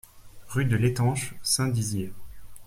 Rue de l'Etanche, Saint-Dizier